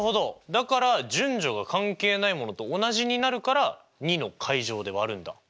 だから順序が関係ないものと同じになるから２の階乗で割るんだ。